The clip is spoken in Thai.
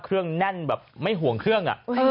เครื่องแน่นแบบไม่ห่วงเครื่อง